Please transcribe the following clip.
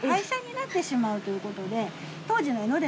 なってしまうということで。